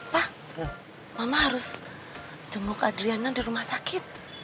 pak mama harus temuk adriana di rumah sakit